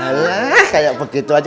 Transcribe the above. alah kayak begitu aja